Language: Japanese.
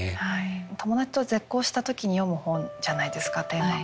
「友達と絶交した時に読む本」じゃないですかテーマが。